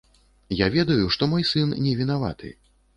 Я ведаю, што мой сын не вінаваты.